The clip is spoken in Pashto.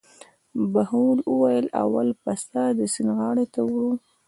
بهلول وویل: اول پسه د سیند غاړې ته وړو.